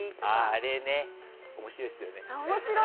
あれ、面白いですよね。